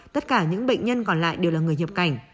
tất cả những bệnh nhân còn lại đều là người nhập cảnh